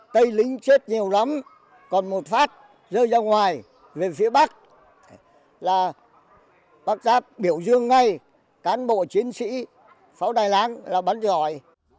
tây lính chết nhiều lắm còn một phát rơi ra ngoài về phía bắc là bác giáp biểu dương ngay cán bộ chiến sĩ pháo đài láng là bắn giỏi